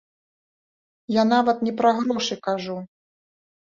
Я нават не пра грошы кажу.